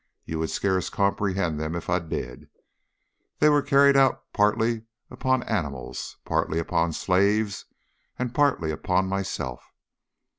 You would scarce comprehend them if I did. They were carried out partly upon animals, partly upon slaves, and partly on myself.